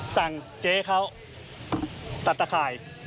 สั่งเจ๊เขาตัดตะข่าย